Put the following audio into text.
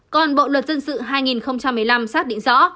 còn bộ luật dân sự hai nghìn một mươi năm xác định rõ